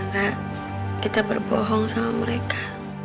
nah kita berbohong sama mereka